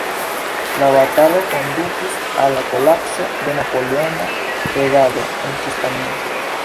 La batalo kondukis al la kolapso de napoleona regado en Hispanio.